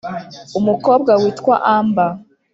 Umukobwa witwa Amber .